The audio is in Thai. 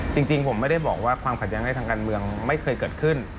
จริงผมไม่ได้บอกว่าความขัดแย้งในทางการเมืองไม่เคยเกิดขึ้น